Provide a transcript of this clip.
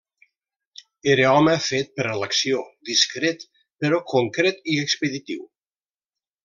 Era home fet per a l'acció, discret, però concret i expeditiu.